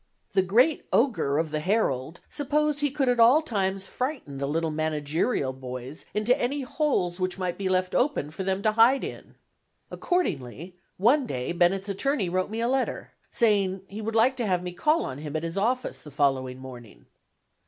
The great Ogre of the Herald supposed he could at all times frighten the little managerial boys into any holes which might be left open for them to hide in. Accordingly, one day Bennett's attorney wrote me a letter, saying that he would like to have me call on him at his office the following morning.